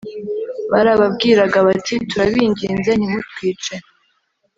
Barababwiraga bati turabinginze ntimutwice